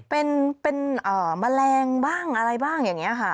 เป็นแมลงบ้างอะไรบ้างอย่างนี้ค่ะ